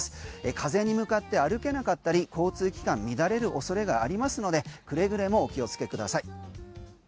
風に向かって歩けなかったり交通機関乱れる恐れがありますのでくれぐれもお気をつけください。